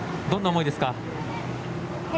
どんな思いですか？